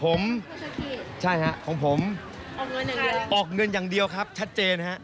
ผมใช่ครับของผมออกเงินอย่างเดียวครับชัดเจนครับ